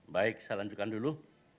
baik saya lanjutkan dulu